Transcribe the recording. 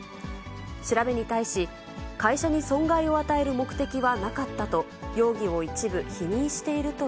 調べに対し、会社に損害を与える目的はなかったと、容疑を一部否認していると